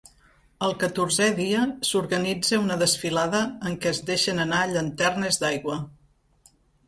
El catorzè dia s'organitza una desfilada en què es deixen anar llanternes d'aigua.